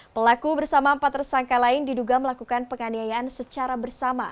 pelaku bersama empat tersangka lain diduga melakukan penganiayaan secara bersama